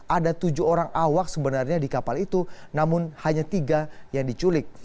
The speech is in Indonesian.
ada tujuh orang awak sebenarnya di kapal itu namun hanya tiga yang diculik